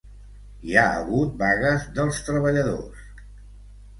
Hi ha hagut vagues dels treballadors.